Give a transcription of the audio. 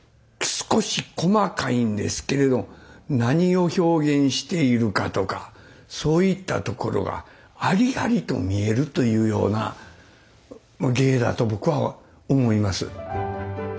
少し細かいんですけれど何を表現しているかとかそういったところがありありと見えるというような芸だと僕は思います。